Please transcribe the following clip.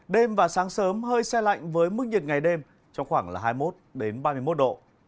đêm và sáng sớm hơi xe lạnh với mức nhiệt ngày đêm trong khoảng hai mươi một ba mươi một độ